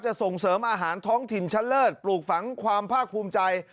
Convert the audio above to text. ส่งเสริมอาหารท้องถิ่นชั้นเลิศปลูกฝังความภาคภูมิใจ